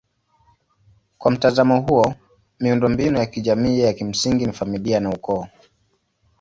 Kwa mtazamo huo miundombinu ya kijamii ya kimsingi ni familia na ukoo.